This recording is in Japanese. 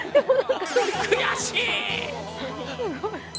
悔しい！